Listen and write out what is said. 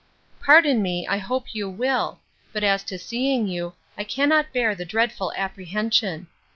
Pardon me, I hope you will; but as to seeing you, I cannot bear the dreadful apprehension.